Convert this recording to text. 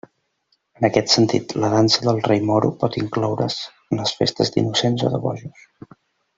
En aquest sentit, la Dansa del Rei Moro pot incloure's en les festes d'innocents o de bojos.